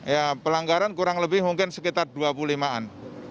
ya pelanggaran kurang lebih mungkin sekitar dua puluh lima an